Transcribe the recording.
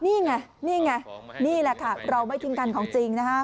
นี่ไงนี่ไงนี่แหละค่ะเราไม่ทิ้งกันของจริงนะฮะ